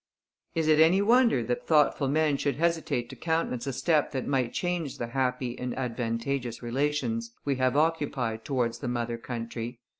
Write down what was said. Is it any wonder that thoughtful men should hesitate to countenance a step that might change the happy and advantageous relations we have occupied towards the mother country?